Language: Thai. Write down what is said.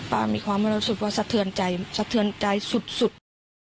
ป้ามีความอร่อยสุดว่าสะเทือนใจสุด